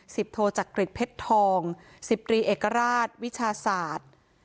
โทจักริจเพชรทองสิบตรีเอกราชวิชาศาสตร์